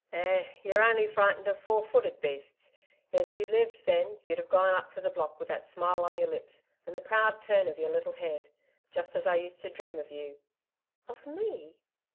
'Eh! You're only frightened of four footed beasts. If you'd lived then, you'd have gone up to the block with that smile on your lips, and the proud turn of your little head just as I used to dream of you...' 'Of ME!'